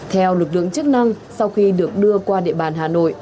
theo lực lượng chức năng sau khi được đưa qua địa bàn hà nội